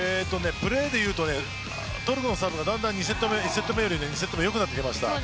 プレーでいうとトルコのサーブが１セット目よりも２セット目よくなりました。